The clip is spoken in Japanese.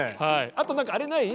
あと何かあれない？